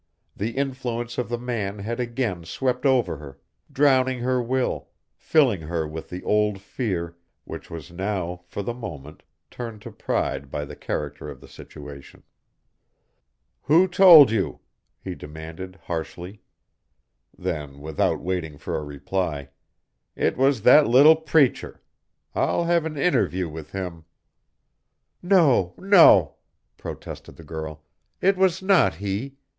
The influence of the man had again swept over her, drowning her will, filling her with the old fear, which was now for the moment turned to pride by the character of the situation. But to her surprise the man was thinking of something else. "Who told you?" he demanded, harshly. Then, without waiting for a reply, "It was that little preacher; I'll have an interview with him!" "No, no!" protested the girl. "It was not he.